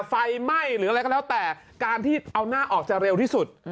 ไฟไหม้หรืออะไรก็แล้วแต่การที่เอาหน้าออกจะเร็วที่สุด